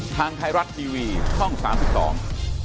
ทางไทรัตน์ทีวีช่อง๓๒